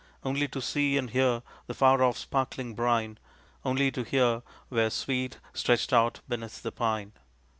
Only to see and hear the far off sparkling brine, only to hear were sweet, stretched out beneath the pine.